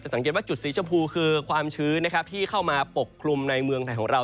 สังเกตว่าจุดสีชมพูคือความชื้นนะครับที่เข้ามาปกคลุมในเมืองไทยของเรา